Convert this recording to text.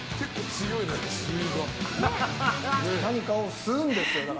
何かを吸うんですよ。